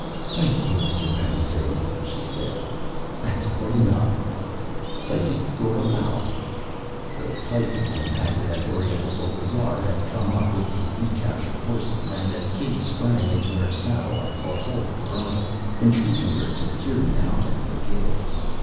"Thank you, Mr. Pansay," she said, "that's quite enough. Syce ghora láo." The syces, impassive as Orientals always are, had come up with the recaptured horses; and as Kitty sprang into her saddle I caught hold of the bridle, entreating her to hear me out and forgive.